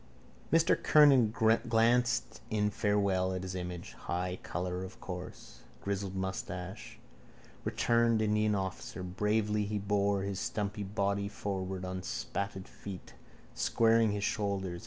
Mr Kernan glanced in farewell at his image. High colour, of course. Grizzled moustache. Returned Indian officer. Bravely he bore his stumpy body forward on spatted feet, squaring his shoulders.